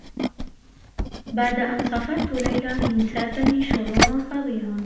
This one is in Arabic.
بعد أن صفعت ليلى، انتابني شعور فظيع.